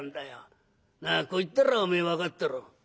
なあこう言ったらおめえ分かったろ？」。